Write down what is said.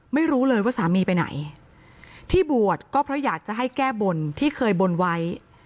ไม่รู้เลยว่าสามีไปไหนที่บวชก็เพราะอยากจะให้แก้บนที่เคยบนไว้